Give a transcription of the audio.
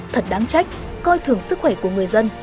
thật đáng trách coi thường sức khỏe của người dân